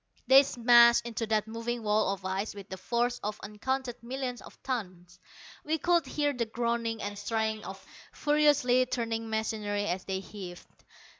They smashed into that moving wall of ice with the force of uncounted millions of tons. We could hear the groaning and straining of furiously turning machinery as they heaved.